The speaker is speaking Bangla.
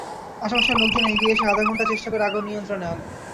আশপাশের লোকজন এগিয়ে এসে আধা ঘণ্টা চেষ্টা করে আগুন নিয়ন্ত্রণে আনে।